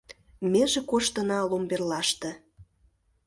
Меже коштына ломберлаште